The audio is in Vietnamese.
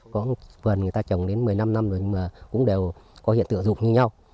có vườn người ta trồng đến một mươi năm năm rồi nhưng mà cũng đều có hiện tượng rục như nhau